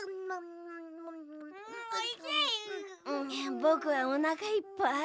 ぼくはおなかいっぱい。